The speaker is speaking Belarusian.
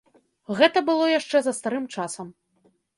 Гэта было яшчэ за старым часам.